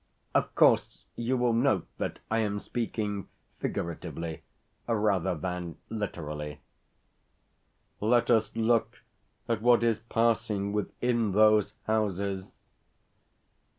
Of course, you will note that I am speaking figuratively rather than literally. Let us look at what is passing within those houses.